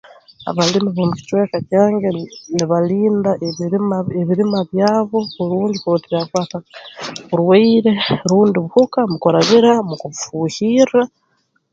Abalimi b'omu kicweka kyange nibalinda ebirima ebirima byabo kurungi kurora tibyakwatwa burwaire rundi buhuka mu kurabira mu kubifuuhirra